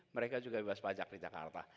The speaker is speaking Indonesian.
mereka juga bebas pajak di jakarta